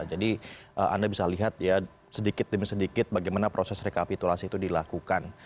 jadi anda bisa lihat ya sedikit demi sedikit bagaimana proses rekapitulasi itu dilakukan